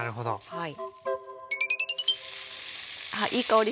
はい。